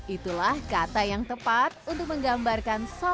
itulah kata yang tepat untuk menggambarkan sosok